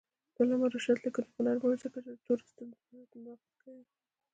د علامه رشاد لیکنی هنر مهم دی ځکه چې تور استبداد نقد کوي.